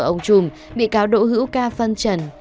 vợ ông trùm bị cáo độ hữu ca phân trần